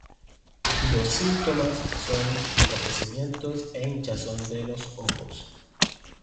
Los síntomas son enrojecimiento e hinchazón de los ojos.